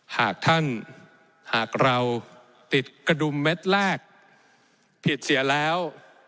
หากท่านหากเราติดกระดุมเม็ดแรกผิดเสียแล้ว